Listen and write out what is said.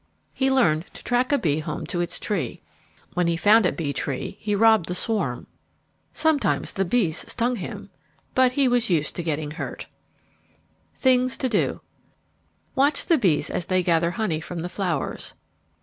He learned to track a bee home to its tree. When he found a bee tree he robbed the swarm. Sometimes the bees stung him, but he was used to getting hurt. [Illustration: "The bees stung him"] THINGS TO DO _Watch the bees as they gather honey from the flowers.